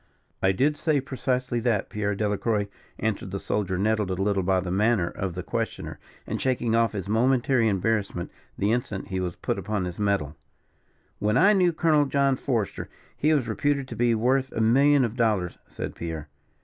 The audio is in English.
"I did say precisely that, Pierre Delacroix," answered the soldier, nettled a little by the manner of the questioner, and shaking off his momentary embarrassment the instant he was put upon his mettle. "When I knew Colonel John Forester, he was reputed to be worth a million of dollars," said Pierre.